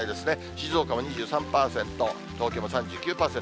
静岡も２３％、東京も３９％。